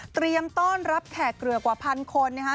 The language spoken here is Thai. เตรียมต้อนรับแขกเหลือกว่าพันคนนะคะ